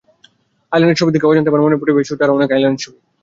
আয়লানের ছবি দেখে অজান্তে আমার মনের পটে ভেসে ওঠে আরও অনেক আয়লানের ছবি।